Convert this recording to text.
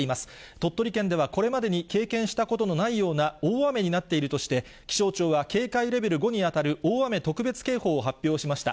鳥取県ではこれまでに経験したことのないような大雨になっているとして、気象庁は警戒レベル５に当たる大雨特別警報を発表しました。